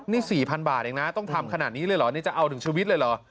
นี่๔๐๐บาทเองนะต้องทำขนาดนี้เลยเหรอนี่จะเอาถึงชีวิตเลยเหรอ